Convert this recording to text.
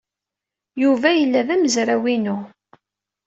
Yuba yella d amezraw-inu.